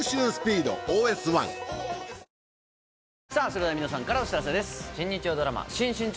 それでは皆さんからお知らせです。